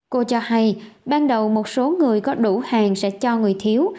cô cho hay ban đầu một số người có đủ hàng sẽ cho người thiếu